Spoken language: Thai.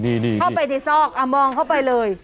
เข้าไปที่ซอกมองเข้าไปเลย